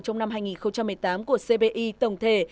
trong năm hai nghìn một mươi tám của cbi tổng thể